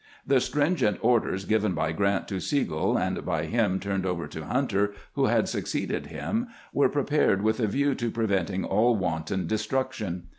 The stringent orders given by Grant to Sigel, and by him turned over to Hunter, who had succeeded him, were prepared with a view to preventing all wan ton destruction.